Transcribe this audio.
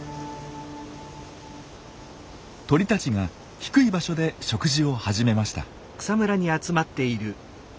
鳥たちが低い場所で食事を始めました。